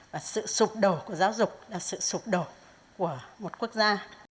và sự sụp đổ của giáo dục là sự sụp đổ của một quốc gia